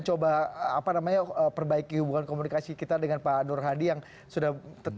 coba apa namanya perbaiki hubungan komunikasi kita dengan pak nur hadi yang sudah